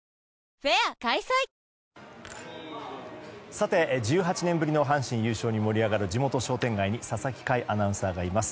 さて、１８年ぶりの阪神優勝に盛り上がる地元商店街に佐々木快アナウンサーがいます。